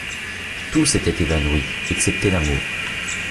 Tout s’était évanoui, excepté l’amour.